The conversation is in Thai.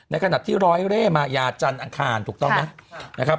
ขณะที่ร้อยเร่มายาจันทร์อังคารถูกต้องไหมนะครับ